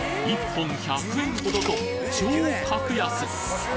１本１００円ほどと超格安！